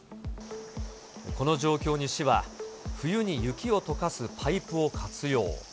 この状況に市は、冬に雪をとかすパイプを活用。